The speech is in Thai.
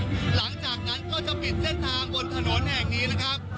หลังจากนั้นก็จะปิดเส้นทางบนถนนแห่งนี้นะครับ